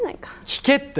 聞けって。